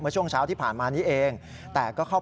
เป็นเรียบร้อยนะครับ